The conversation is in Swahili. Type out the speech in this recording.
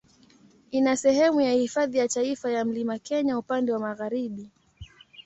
Ina sehemu ya Hifadhi ya Taifa ya Mlima Kenya upande wa magharibi.